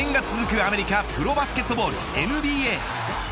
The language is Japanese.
アメリカプロバスケットボールＮＢＡ。